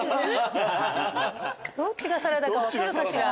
どっちがサラダか分かるかしら。